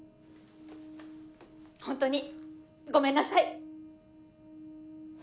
ホントにごめんなさい！